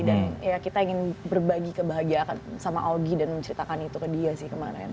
dan ya kita ingin berbagi kebahagiaan sama augie dan menceritakan itu ke dia sih kemarin